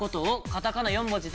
カタカナ４文字。